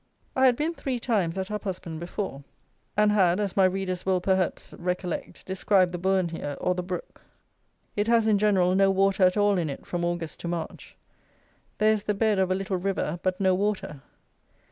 I had been three times at Uphusband before, and had, as my readers will, perhaps, recollect, described the bourn here, or the brook. It has, in general, no water at all in it from August to March. There is the bed of a little river; but no water.